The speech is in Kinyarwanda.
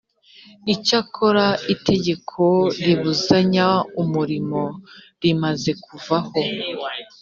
icyakora itegeko ribuzanya umurimo rimaze kuvaho